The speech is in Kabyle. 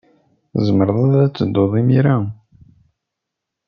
Tzemreḍ ad tedduḍ imir-a.